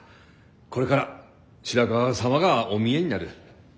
これから白川様がお見えになる。